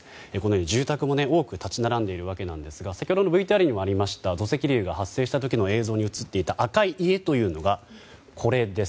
住宅も多く立ち並んでいるわけですが先ほどのＶＴＲにもあった土石流が発生した時の映像にも映っていた赤い家というのが、これです。